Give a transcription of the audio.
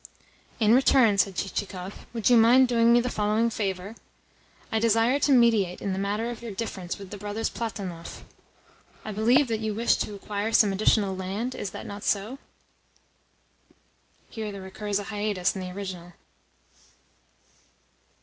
"In return," said Chichikov, "would you mind doing me the following favour? I desire to mediate in the matter of your difference with the Brothers Platonov. I believe that you wish to acquire some additional land? Is not that so?" [Here there occurs a hiatus in the original.